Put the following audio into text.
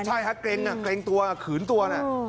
ใช่ฮะเกร็งเกรงตัวขืนตัวน่ะ